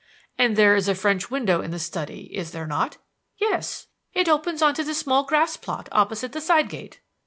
"And there is a French window in the study, is there not?" "Yes. It opens on to the small grass plot opposite the side gate."